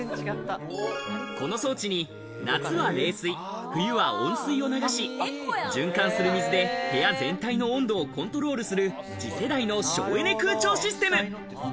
この装置に夏は冷水、冬は温水を流し、循環する水で部屋全体の温度をコントロールする、次世代の省エネ空調システム。